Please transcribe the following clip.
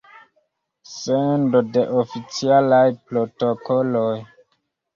Sendo de oficialaj protokoloj.